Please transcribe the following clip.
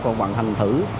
hoàn thành thử